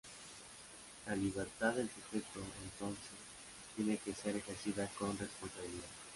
La libertad del sujeto, entonces, tiene que ser ejercida con responsabilidad.